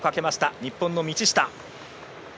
日本の道下。